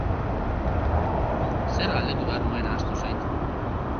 Zer galdetu behar nuen ahaztu zait.